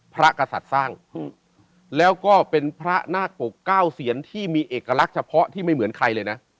กษัตริย์สร้างแล้วก็เป็นพระนาคปกเก้าเซียนที่มีเอกลักษณ์เฉพาะที่ไม่เหมือนใครเลยนะ